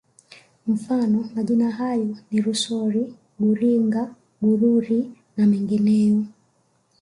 Mfano majina hayo ni Rusori Buringa Bururi na mengineyo